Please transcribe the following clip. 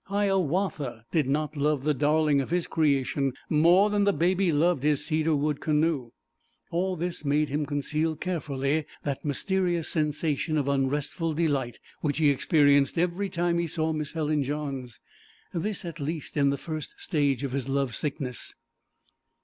Hiawatha did not love the darling of his creation more than the Baby loved his cedar wood canoe. All this made him conceal carefully that mysterious sensation of unrestful delight which he experienced every time he saw Miss Helen Johns. This, at least, in the first stage of his love sickness.